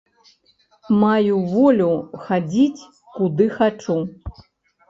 Маю волю хадзіць, куды хачу.